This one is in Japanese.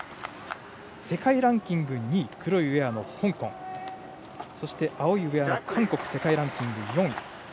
世界ランキング２位黒いウエアの香港そして青いウエアの韓国世界ランキング４位。